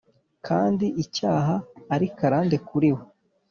Kandi icyaha ari karande kuri we